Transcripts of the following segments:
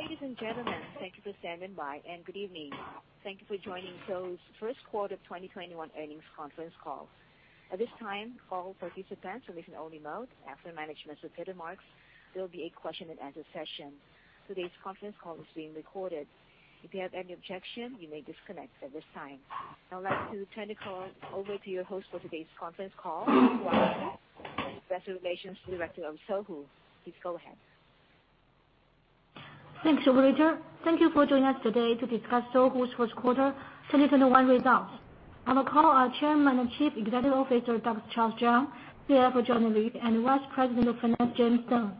Ladies and gentlemen, thank you for standing by and good evening. Thank you for joining Sohu's first quarter of 2021 earnings conference call. I would like to turn the call over to your host for today's conference call, Investor Relations Director of Sohu. Please go ahead. Thanks, operator. Thank you for joining us today to discuss Sohu's first quarter 2021 results. On the call are Chairman and Chief Executive Officer, Dr. Charles Zhang, CFO Joanna Lv, and Vice President of Finance, James Deng.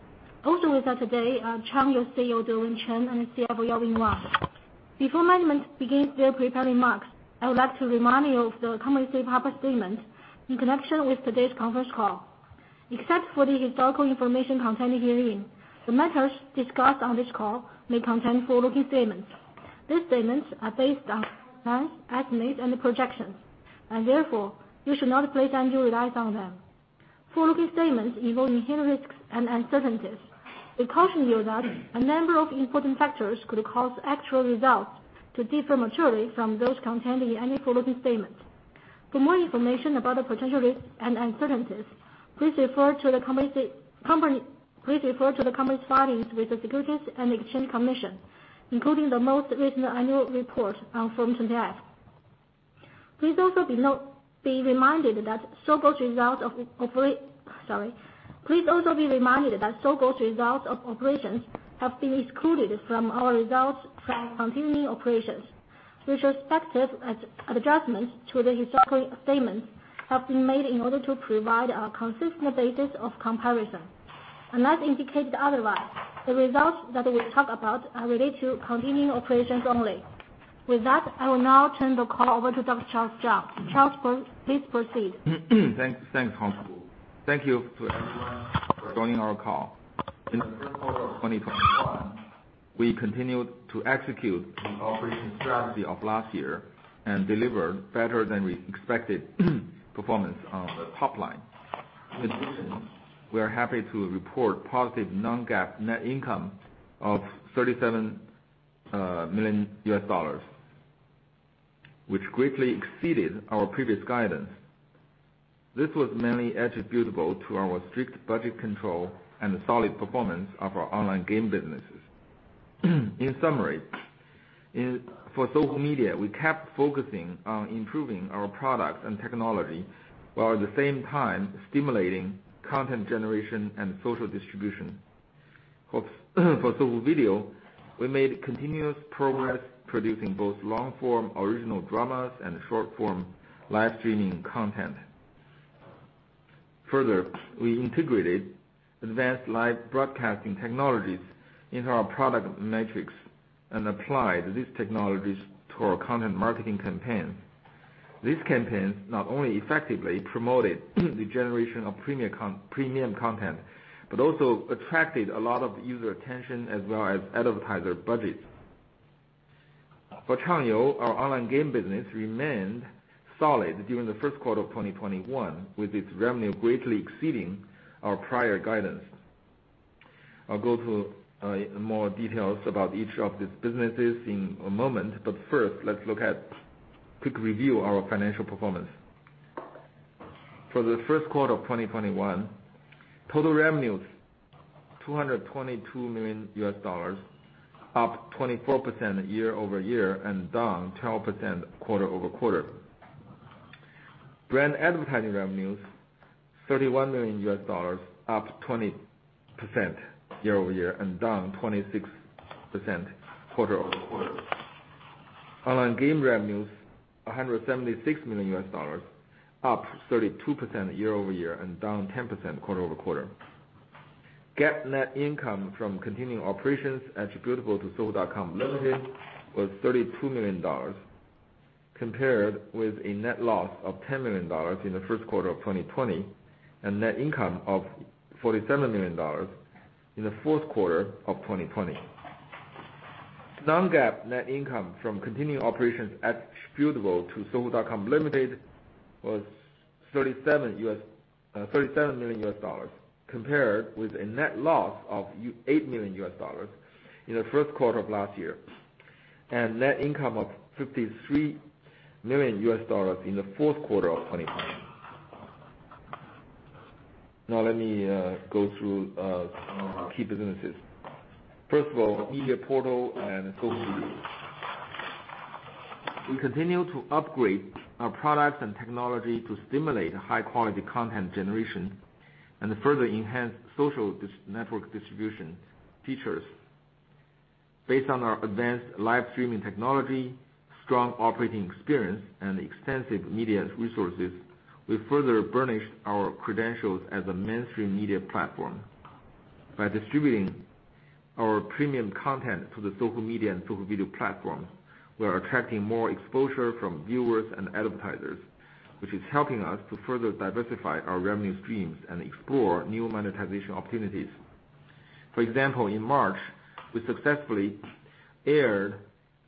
Also with us today are Changyou CEO, Dewen Chen, and CFO, Yaobin Wang. Before management begins their prepared remarks, I would like to remind you of the company's safe harbor statement in connection with today's conference call. Except for the historical information contained herein, the matters discussed on this call may contain forward-looking statements. These statements are based on management's estimates and projections, and therefore, you should not place undue reliance on them. Forward-looking statements involve inherent risks and uncertainties. We caution you that a number of important factors could cause actual results to differ materially from those contained in any forward-looking statement. For more information about the potential risks and uncertainties, please refer to the company's filings with the Securities and Exchange Commission, including the most recent annual report on Form 20-F. Please also be reminded that Sogou's results of operations have been excluded from our results for continuing operations. Retrospective adjustments to the historical statements have been made in order to provide a consistent basis of comparison. Unless indicated otherwise, the results that we talk about are related to continuing operations only. With that, I will now turn the call over to Dr. Charles Zhang. Charles, please proceed. Thanks, Huang. Thank you to everyone for joining our call. In the first quarter of 2021, we continued to execute the operating strategy of last year and delivered better than we expected performance on the top line. In addition, we are happy to report positive non-GAAP net income of $37 million, which greatly exceeded our previous guidance. This was mainly attributable to our strict budget control and the solid performance of our online game businesses. In summary, for Sohu Media, we kept focusing on improving our product and technology, while at the same time stimulating content generation and social distribution. For Sohu Video, we made continuous progress producing both long-form original dramas and short-form live streaming content. Further, we integrated advanced live broadcasting technologies into our product matrix and applied these technologies to our content marketing campaign. This campaign not only effectively promoted the generation of premium content, but also attracted a lot of user attention as well as advertiser budget. For Changyou, our online game business remained solid during the first quarter of 2021, with its revenue greatly exceeding our prior guidance. I'll go through more details about each of these businesses in a moment, but first, let's look at quick review our financial performance. For the first quarter of 2021, total revenues, $222 million, up 24% year-over-year and down 12% quarter-over-quarter. Brand advertising revenues, $31 million, up 20% year-over-year and down 26% quarter-over-quarter. Online game revenues, $176 million, up 32% year-over-year and down 10% quarter-over-quarter. GAAP net income from continuing operations attributable to Sohu.com Limited was $32 million, compared with a net loss of $10 million in the first quarter of 2020 and net income of $47 million in the fourth quarter of 2020. Non-GAAP net income from continuing operations attributable to Sohu.com Limited was $37 million, compared with a net loss of $8 million US in the first quarter of last year, and net income of $53 million US in the fourth quarter of 2020. Now let me go through our key businesses. First of all, media portal and Sohu Video. We continue to upgrade our products and technology to stimulate high-quality content generation and further enhance social network distribution features. Based on our advanced live streaming technology, strong operating experience, and extensive media resources, we further burnished our credentials as a mainstream media platform. By distributing our premium content to the Sohu Media and Sohu Video platforms, we are attracting more exposure from viewers and advertisers, which is helping us to further diversify our revenue streams and explore new monetization opportunities. For example, in March, we successfully aired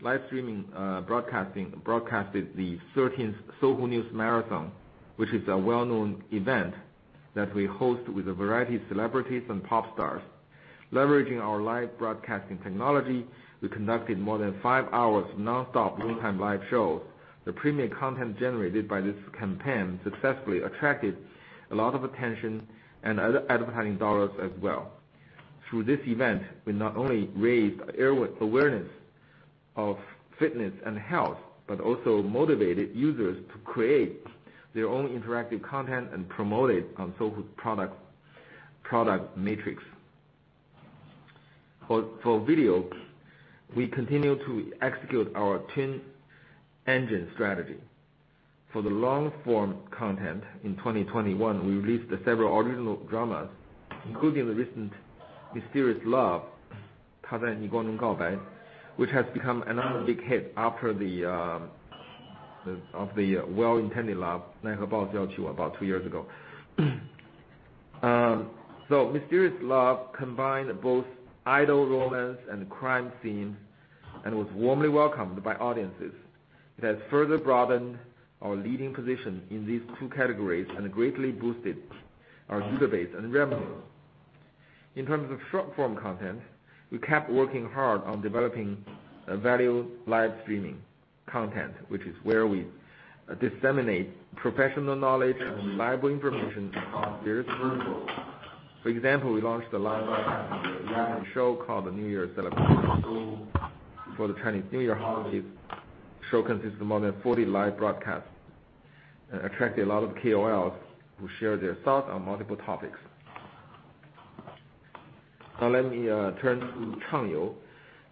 live streaming broadcasted the 13th Sohu News Marathon, which is a well-known event that we host with a variety of celebrities and pop stars. Leveraging our live broadcasting technology, we conducted more than five hours of nonstop real-time live shows. The premier content generated by this campaign successfully attracted a lot of attention and other advertising dollars as well. Through this event, we not only raised awareness of fitness and health, but also motivated users to create their own interactive content and promote it on Sohu's product matrix. For video, we continue to execute our twin engine strategy. For the long-form content in 2021, we released several original dramas, including the recent "Mysterious Love: He Confessed in Your Eyes," which has become another big hit after the "Well-Intended Love" about two years ago. Mysterious Love combined both idol romance and crime scenes, and was warmly welcomed by audiences. It has further broadened our leading position in these two categories, and greatly boosted our user base and revenue. In terms of short-form content, we kept working hard on developing value live streaming content, which is where we disseminate professional knowledge and reliable information on various fields. For example, we launched a live broadcasting variety show called the New Year Celebration for the Chinese New Year holiday. The show consisted of more than 40 live broadcasts and attracted a lot of KOLs who shared their thoughts on multiple topics. Let me turn to Changyou.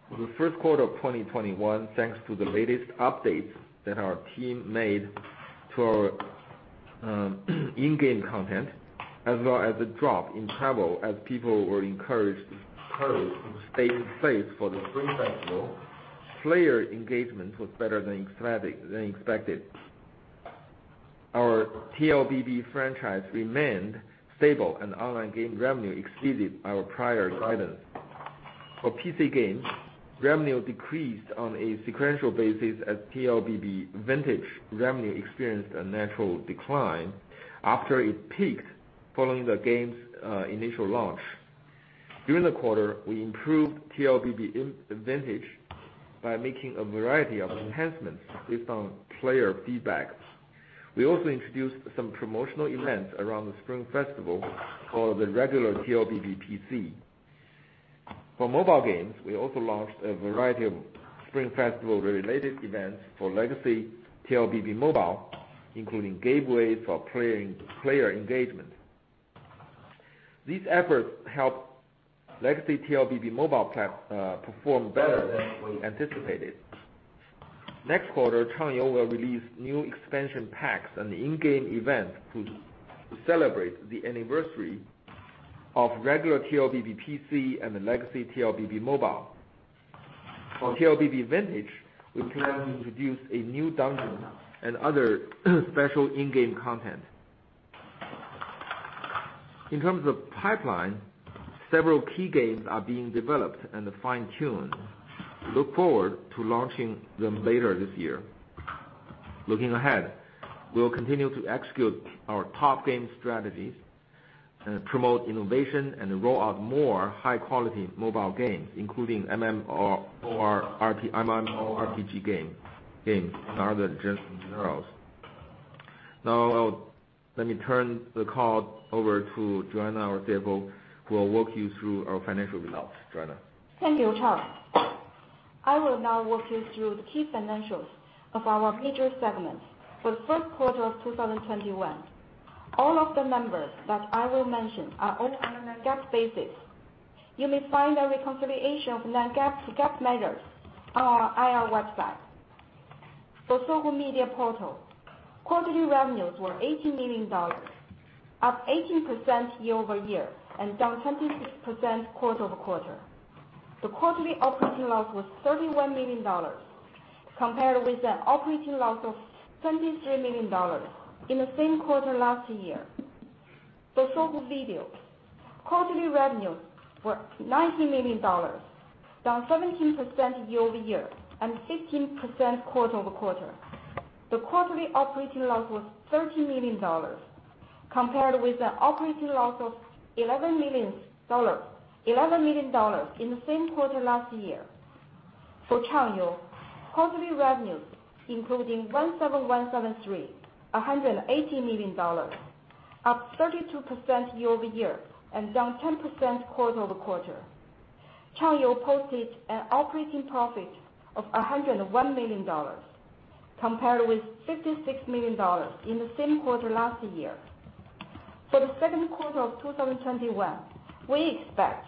For the first quarter of 2021, thanks to the latest updates that our team made to our in-game content, as well as a drop in travel as people were encouraged to stay in place for the Spring Festival, player engagement was better than expected. Our TLBB franchise remained stable, and online game revenue exceeded our prior guidance. For PC games, revenue decreased on a sequential basis as TLBB Vintage revenue experienced a natural decline after it peaked following the game's initial launch. During the quarter, we improved TLBB Vintage by making a variety of enhancements based on player feedback. We also introduced some promotional events around the Spring Festival for the regular TLBB PC. For mobile games, we also launched a variety of Spring Festival-related events for Legacy TLBB Mobile, including giveaways for player engagement. These efforts helped Legacy TLBB Mobile perform better than we anticipated. Next quarter, Changyou will release new expansion packs and in-game events to celebrate the anniversary of regular TLBB PC and Legacy TLBB Mobile. For TLBB Vintage, we plan to introduce a new dungeon and other special in-game content. In terms of pipeline, several key games are being developed and fine-tuned. We look forward to launching them later this year. Looking ahead, we will continue to execute our top game strategies and promote innovation, and roll out more high-quality mobile games, including MMORPG games and other genres. Now let me turn the call over to Joanna, our CFO, who will walk you through our financial results. Joanna? Thank you, Charles. I will now walk you through the key financials of our major segments for the first quarter of 2021. All of the numbers that I will mention are all on a non-GAAP basis. You may find a reconciliation of non-GAAP to GAAP measures on our IR website. For Sohu Media Portal, quarterly revenues were $80 million, up 18% year-over-year, and down 26% quarter-over-quarter. The quarterly operating loss was $31 million, compared with an operating loss of $23 million in the same quarter last year. For Sohu Video, quarterly revenues were $90 million, down 17% year-over-year, and 15% quarter-over-quarter. The quarterly operating loss was $30 million, compared with an operating loss of $11 million in the same quarter last year. For Changyou, quarterly revenues, including 17173.com, $180 million, up 32% year-over-year and down 10% quarter-over-quarter. Changyou posted an operating profit of $101 million, compared with $56 million in the same quarter last year. For the second quarter of 2021, we expect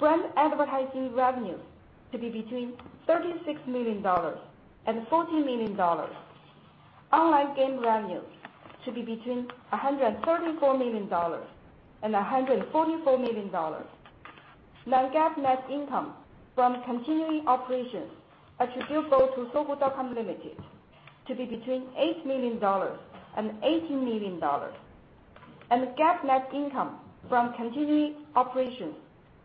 brand advertising revenues to be between $36 million and $40 million. Online game revenues to be between $134 million and $144 million. Non-GAAP net income from continuing operations attributable to Sohu.com Limited, to be between $8 million and $18 million. GAAP net income from continuing operations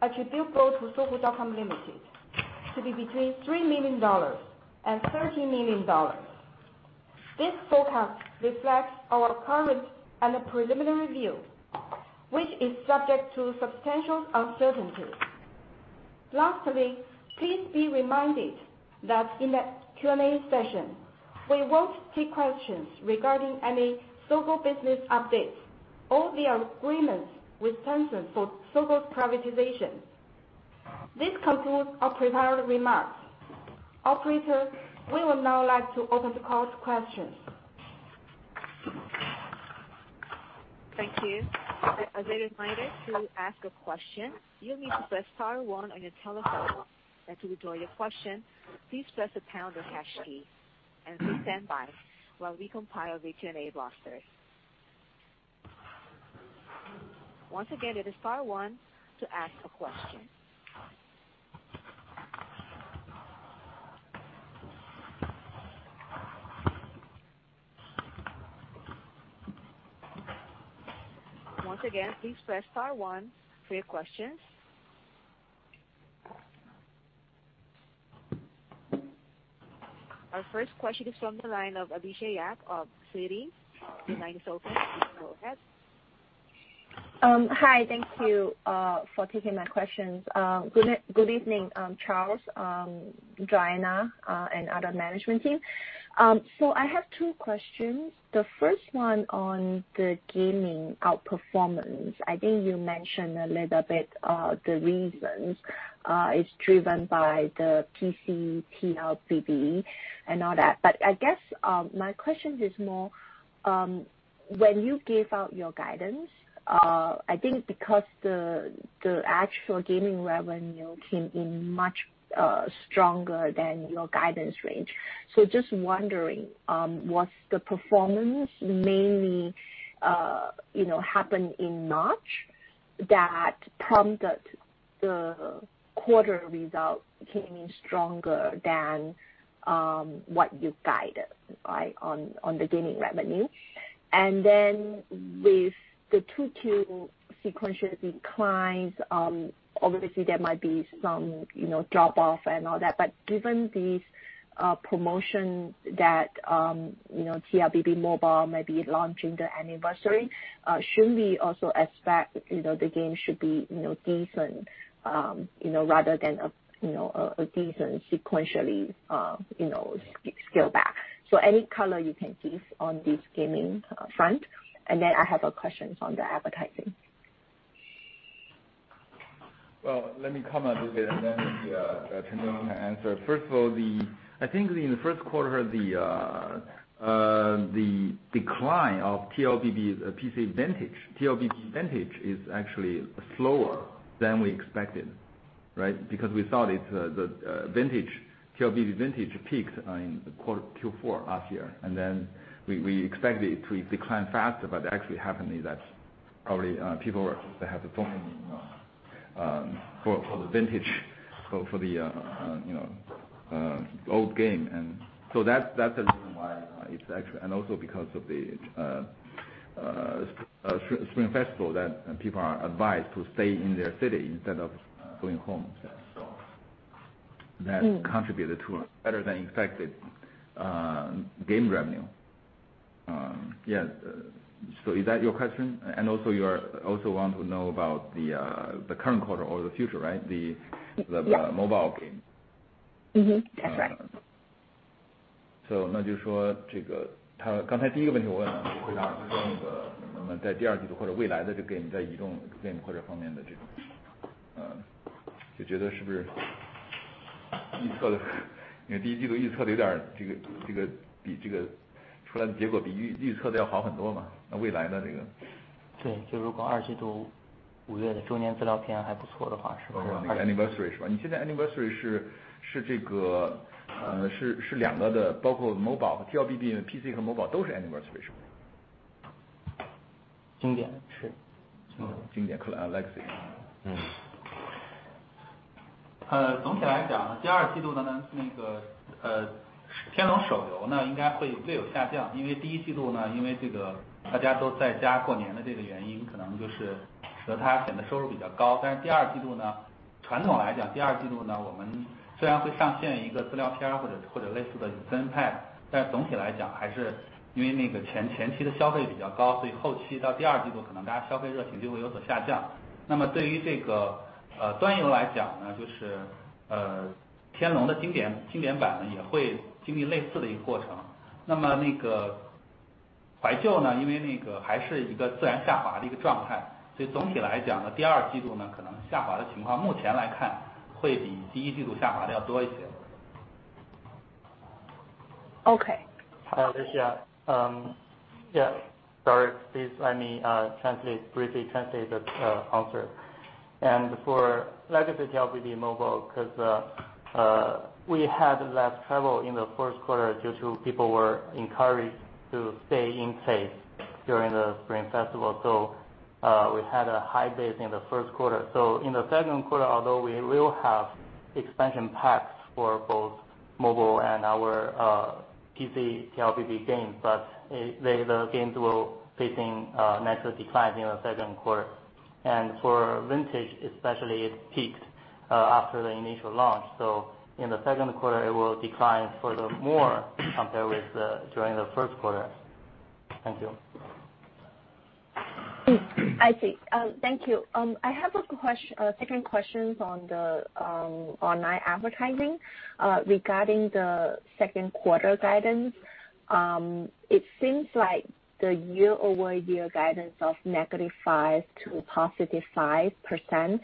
attributable to Sohu.com Limited to be between $3 million and $13 million. This forecast reflects our current and preliminary view, which is subject to substantial uncertainties. Lastly, please be reminded that in the Q&A session, we won't take questions regarding any Sogou business updates or the agreements with Tencent for Sogou's privatization. This concludes our prepared remarks. Operator, we would now like to open the call to questions. Thank you. As a reminder, to ask a question, you'll need to press star one on your telephone. To withdraw your question, please press the pound or hash key. Please stand by while we compile the Q&A roster. Once again, it is star one to ask a question. Once again, please press star one for your questions. Our first question is from the line of Alicia Yap of Citi. Your line is open. Go ahead. Hi. Thank you for taking my questions. Good evening, Charles, Joanna, and other management team. I have two questions. The first one on the gaming outperformance. I think you mentioned a little bit about the reasons, it's driven by the PC, TLBB and all that. I guess my question is more, when you gave out your guidance, I think because the actual gaming revenue came in much stronger than your guidance range. Just wondering, was the performance mainly happen in March that prompted the quarter result came in stronger than what you guided on the gaming revenue? With the two sequential declines, obviously, there might be some drop-off and all that. Given these promotion that TLBB Mobile may be launching the anniversary, should we also expect the game should be decent rather than a decent sequentially scale back? Any color you can give on the gaming front, and then I have a question on the advertising. Well, let me comment a little bit, and then Dewen can answer. First of all, I think in the first quarter, the decline of TLBB's PC Vintage. TLBB Vintage is actually slower than we expected, right? We thought TLBB Vintage peaked in Q4 last year, we expect it to decline faster, but actually happened is that probably people were they have a longing for the Vintage, for the old game. That's the reason why it's actually because of the Spring Festival that people are advised to stay in their city instead of going home. That contributed to a better than expected game revenue. Is that your question? You are also want to know about the current quarter or the future, right? Yeah. The mobile game. Mm-hmm. That's right. The anniversary. Classic. Okay. Hi, Alicia. Yeah, sorry. Please let me briefly translate the answer. For Legacy TLBB Mobile, because we had less travel in the first quarter due to people were encouraged to stay in place during the Spring Festival. We had a high base in the first quarter. In the second quarter, although we will have expansion packs for both mobile and our PC TLBB games, but the games will facing a natural decline in the second quarter. For Vintage, especially, it peaked after the initial launch. In the second quarter, it will decline furthermore compared with during the first quarter. Thank you. I see. Thank you. I have a second question on the online advertising regarding the second quarter guidance. It seems like the year-over-year guidance of -5% to +5%,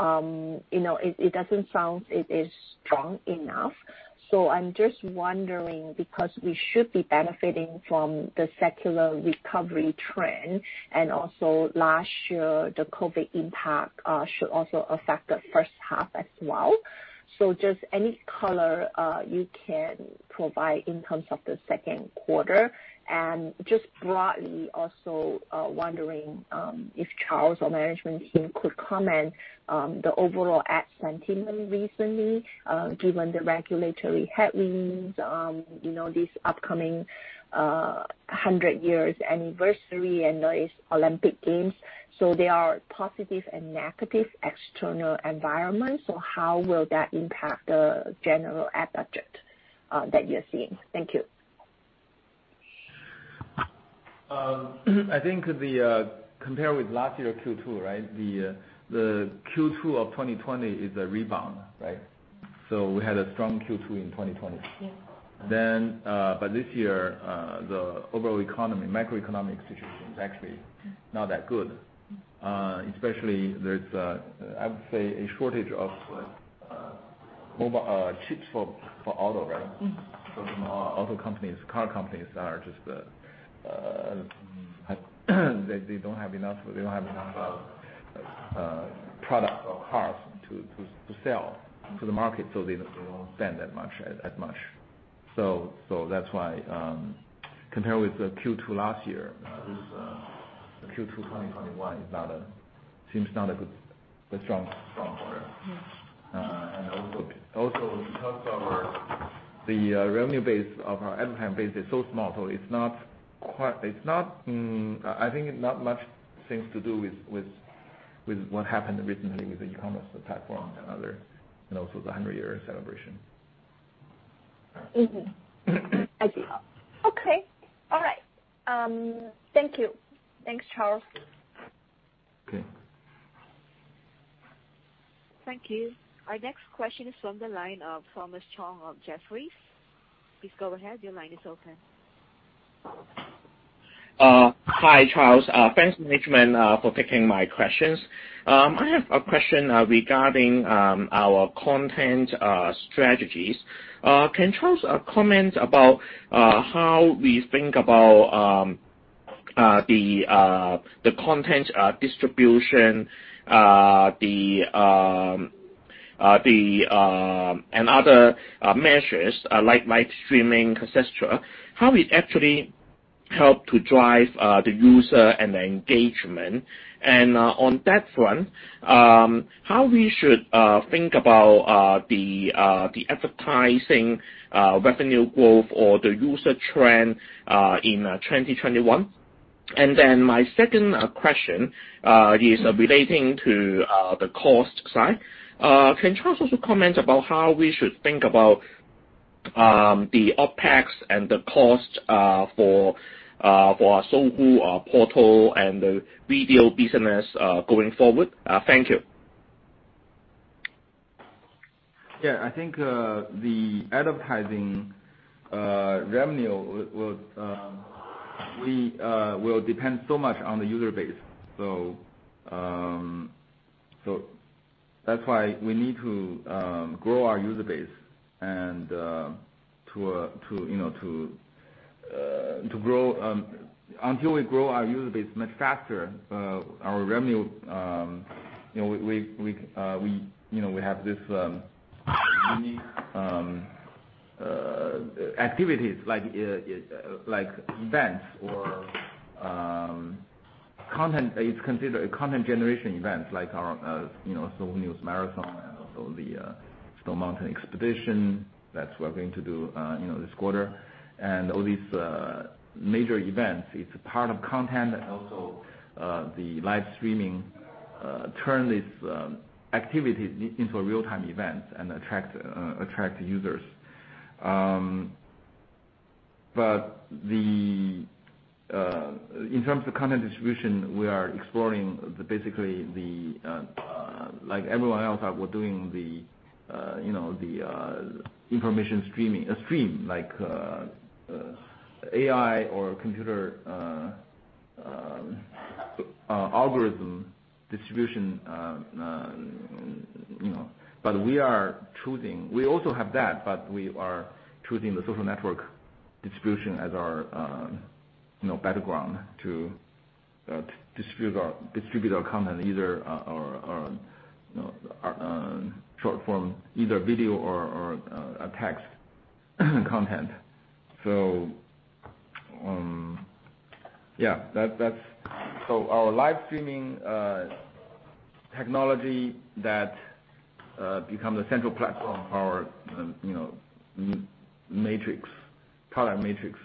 it doesn't sound it is strong enough. I'm just wondering, because we should be benefiting from the secular recovery trend, and also last year, the COVID impact should also affect the first half as well. Just any color you can provide in terms of the second quarter. Just broadly, also wondering, if Charles or management team could comment on the overall ad sentiment recently, given the regulatory headwinds, this upcoming 100 years anniversary and the Olympic Games. There are positive and negative external environments, so how will that impact the general ad budget that you're seeing? Thank you. I think compared with last year Q2, right? The Q2 of 2020 is a rebound, right? We had a strong Q2 in 2020. Yeah. This year, the overall economy, macroeconomic situation is actually not that good. Especially there's, I would say, a shortage of mobile chips for auto, right? Some auto companies, car companies, they don't have enough products or cars to sell to the market, so they don't spend as much. That's why, compared with the Q2 last year, this Q2 2021 seems not a good, strong quarter. Yeah. Because of the revenue base of our advertising base is so small, so I think it not much things to do with what happened recently with the e-commerce platforms and others, and also the 100-year celebration. I see. Okay. All right. Thank you. Thanks, Charles. Okay. Thank you. Our next question is from the line of Thomas Chong of Jefferies. Please go ahead. Your line is open. Hi, Charles. Thanks management for taking my questions. I have a question regarding our content strategies. Can Charles comment about how we think about the content distribution and other measures like live streaming, et cetera, how it actually help to drive the user and the engagement? On that front, how we should think about the advertising revenue growth or the user trend in 2021? My second question is relating to the cost side. Can Charles also comment about how we should think about the OpEx and the cost for our Sohu portal and the Sohu Video business going forward? Thank you. I think the advertising revenue will depend so much on the user base. That's why we need to grow our user base. Until we grow our user base much faster, our revenue, we have this unique activities like events or it's considered a content generation event, like our Sohu News Marathon and also the Snow Mountain Expedition. That we're going to do this quarter. All these major events, it's a part of content and also the live streaming turn these activities into a real-time event and attract users. In terms of content distribution, we are exploring basically like everyone else, we're doing the information stream, like AI or computer algorithm distribution. We also have that, but we are choosing the social network distribution as our battleground to distribute our content, short-form, either video or text content. Our live streaming technology that becomes a central platform for our matrix, product matrix,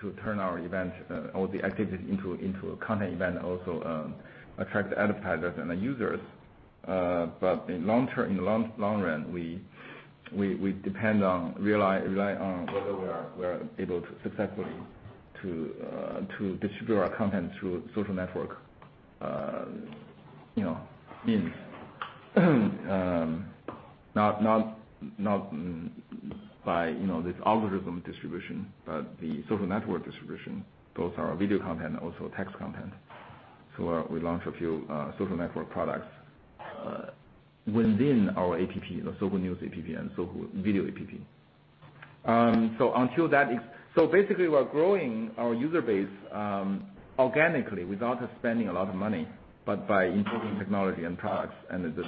to turn our event or the activities into a content event, also attract advertisers and the users. In the long run, we depend on, rely on whether we are able successfully to distribute our content through social network means. Not by this algorithm distribution, but the social network distribution. Both our video content, also text content. We launch a few social network products within our app, the Sohu News app and Sohu Video app. Basically, we're growing our user base organically without spending a lot of money, but by improving technology and products and the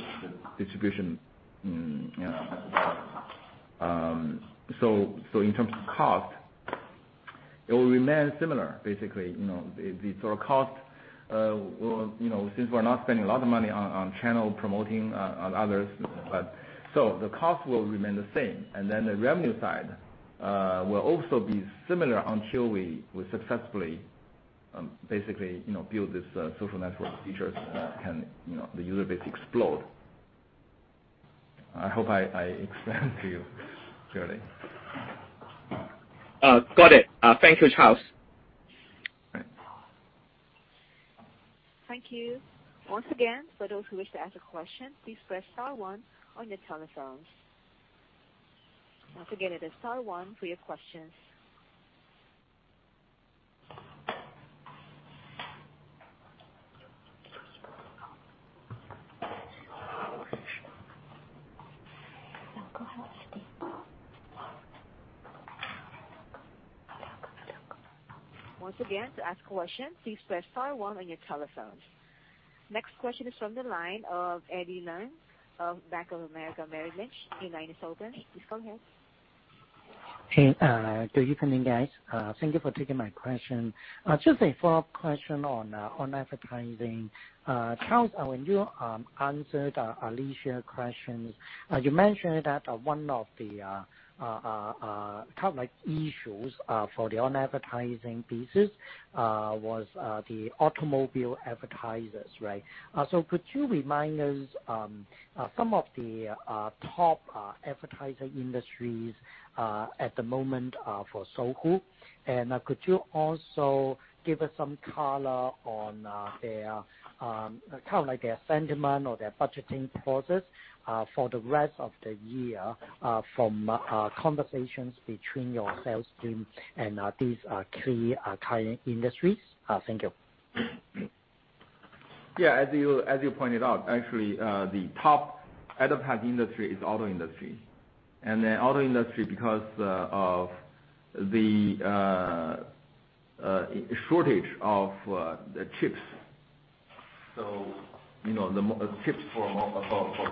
distribution. In terms of cost, it will remain similar basically. The sort of cost, since we're not spending a lot of money on channel promoting on others, so the cost will remain the same. The revenue side will also be similar until we successfully build this social network features, and the user base explode. I hope I explained to you clearly. Got it. Thank you, Charles. All right. Thank you. Once again, for those who wish to ask a question, please press star one on your telephones. Once again, it is star one for your questions. Once again, to ask a question, please press star one on your telephones. Next question is from the line of Eddie Leung of Bank of America Merrill Lynch. Your line is open. Please go ahead. Hey, good evening, guys. Thank you for taking my question. Just a follow-up question on advertising. Charles, when you answered Alicia's questions, you mentioned that one of the issues for the advertising pieces was the automobile advertisers, right? Could you remind us some of the top advertising industries at the moment for Sohu? Could you also give us some color on their sentiment or their budgeting process for the rest of the year from conversations between your sales team and these three current industries? Thank you. Yeah, as you pointed out, actually, the top advertising industry is auto industry. The auto industry, because of the shortage of the chips for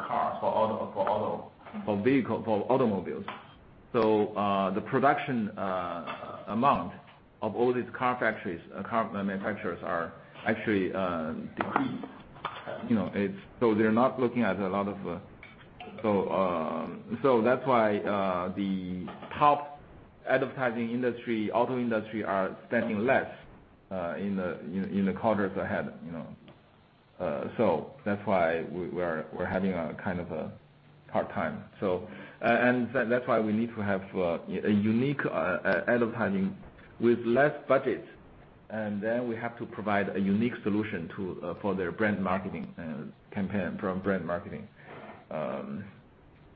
cars, for auto, for vehicle, for automobiles. The production amount of all these car manufacturers are actually decreased. That's why the top advertising industry, auto industry, are spending less in the quarters ahead. That's why we're having a kind of a hard time. That's why we need to have a unique advertising with less budget, and then we have to provide a unique solution for their brand marketing campaign, from brand marketing.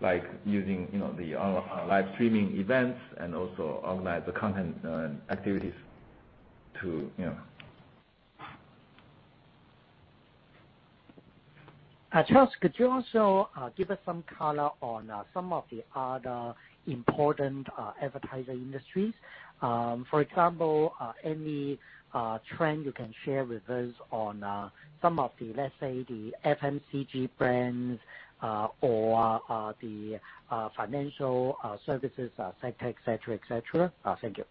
Like using the live streaming events and also organize the content and activities too. Charles, could you also give us some color on some of the other important advertising industries? For example, any trend you can share with us on some of the, let's say, the FMCG brands or the financial services sector, et cetera. Thank you.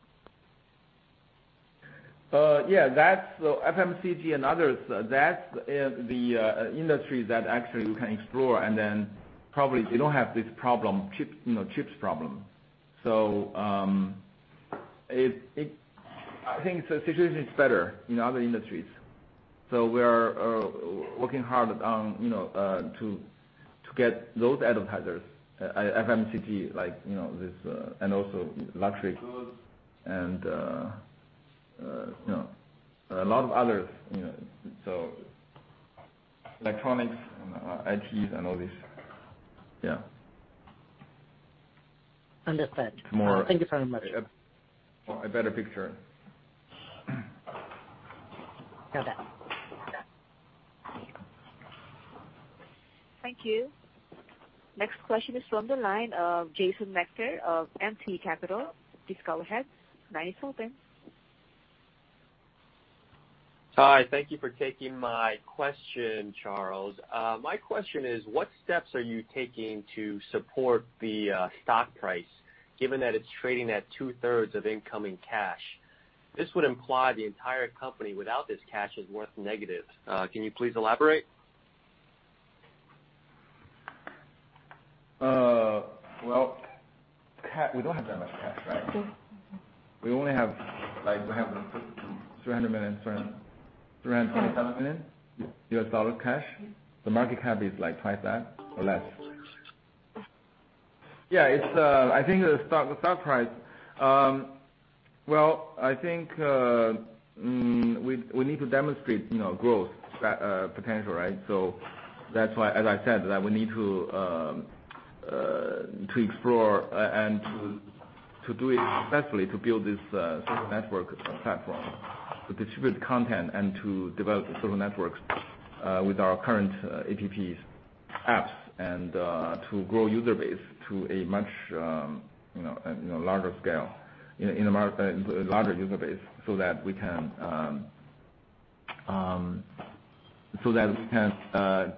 Yeah. FMCG and others, that's the industry that actually you can explore, and then probably you don't have this chips problem. I think the situation is better in other industries. We are working hard to get those advertisers, FMCG, and also luxury goods, and a lot of others. Electronics and IT and all this. Yeah. Understood. Thank you very much. A better picture. Okay. Thank you. Next question is from the line of Jason [Mechter] of MC Capital. Please go ahead. Line is open. Hi, thank you for taking my question, Charles. My question is, what steps are you taking to support the stock price, given that it's trading at two-thirds of incoming cash? This would imply the entire company without this cash is worth negative. Can you please elaborate? Well, we don't have that much cash, right? We only have $327 million cash. The market cap is twice that or less. Yeah, I think the stock price. Well, I think we need to demonstrate growth potential, right? That's why, as I said, that we need to explore and to do it successfully to build this social network platform, to distribute content, and to develop the social networks with our current APP's-apps, and to grow user base to a much larger scale, larger user base, so that we can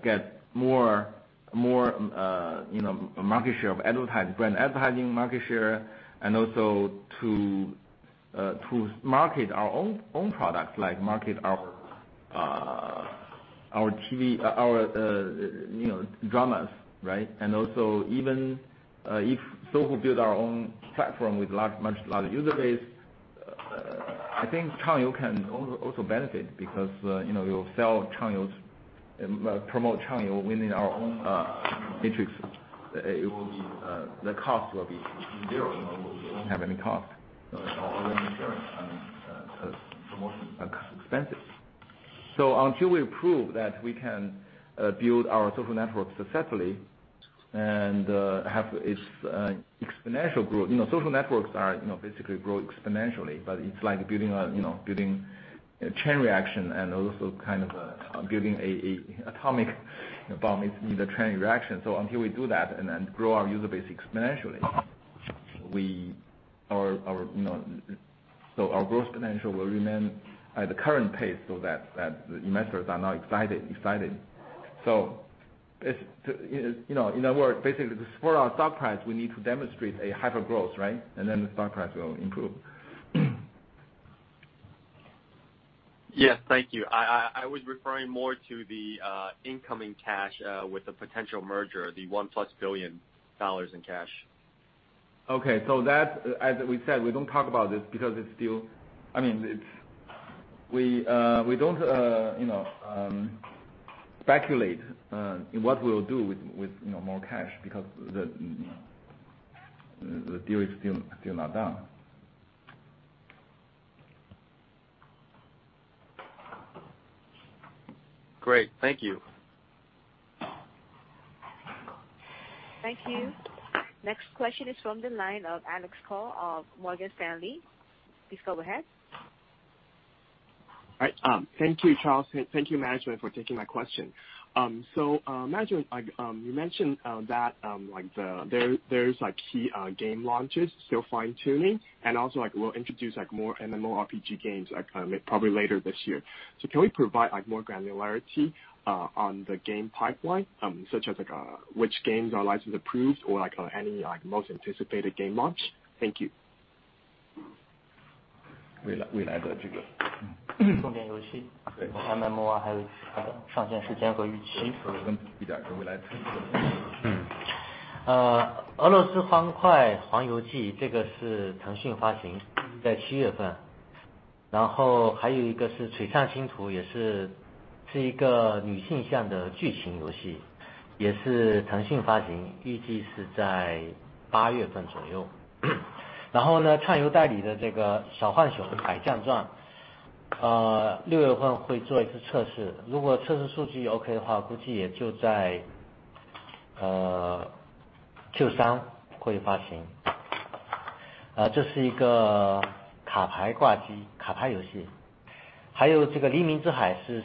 get more market share of advertising, brand advertising market share. Also to market our own products, like market our dramas, right? Also, even if Sohu build our own platform with much larger user base, I think Changyou can also benefit because we'll sell Changyou's, promote Changyou within our own matrix. The cost will be zero. We won't have any cost. We won't incur any promotion expenses. Until we prove that we can build our social network successfully and have its exponential growth, social networks basically grow exponentially. It's like building a chain reaction and also kind of building an atomic bomb. It's a chain reaction. Until we do that and then grow our user base exponentially, so our growth potential will remain at the current pace, so that investors are now excited. In other words, basically for our stock price, we need to demonstrate a hypergrowth, right? The stock price will improve. Yes. Thank you. I was referring more to the incoming cash with the potential merger, the $1 plus billion in cash. Okay. As we said, we don't talk about this because we don't speculate in what we'll do with more cash because the deal is still not done. Great. Thank you. Thank you. Next question is from the line of Alex Poon of Morgan Stanley. Please go ahead. All right. Thank you, Charles. Thank you, management, for taking my question. Management, you mentioned that there is key game launches still fine-tuning, and also will introduce more MMORPG games probably later this year. Can we provide more granularity on the game pipeline, such as which games are license approved or any most anticipated game launch? Thank you. We have a couple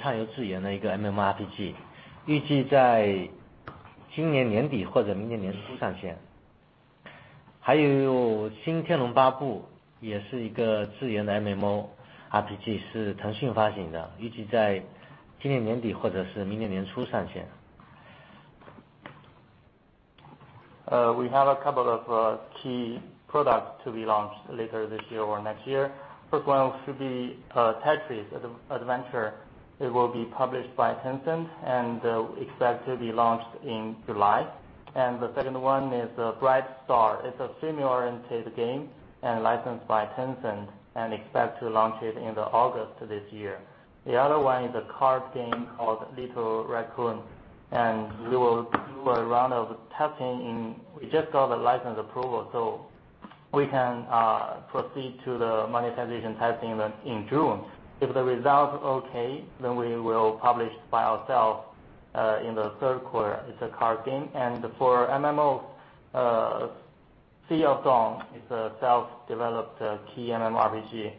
of key products to be launched later this year or next year. First one should be Tetris Adventure. It will be published by Tencent and expected to be launched in July. The second one is Bright Star. It's a female-oriented game licensed by Tencent, expect to launch it in August this year. The other one is a card game called Little Raccoon. We just got the license approval, we can proceed to the monetization testing in June. If the result okay, we will publish by ourselves in the third quarter. It's a card game. For MMO, Sea of Dawn is a self-developed key MMORPG.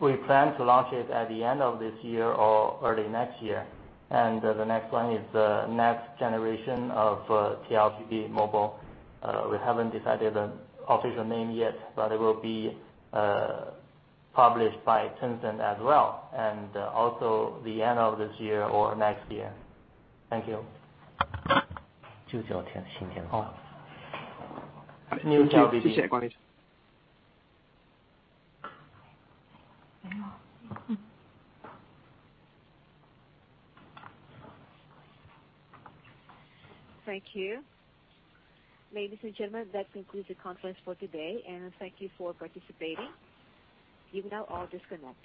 We plan to launch it at the end of this year or early next year. The next one is the next generation of TLBB Mobile. We haven't decided an official name yet, but it will be published by Tencent as well, and also the end of this year or next year. Thank you. New TLBB. Appreciate it. Thank you. Ladies and gentlemen, that concludes the conference for today, and thank you for participating. You may now all disconnect.